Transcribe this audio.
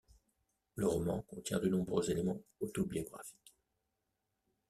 Le roman contient de nombreux éléments autobiographiques.